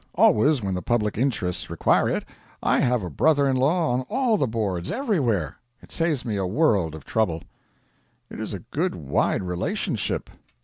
Always when the public interests require it. I have a brother in law on all the boards everywhere. It saves me a world of trouble.' 'It is a good wide relationship.'